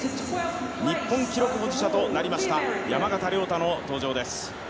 日本記録保持者となりました、山縣亮太の登場です。